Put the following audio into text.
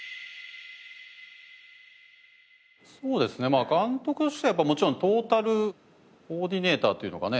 そうですね監督としてはやっぱもちろんトータルコーディネーターというのかね。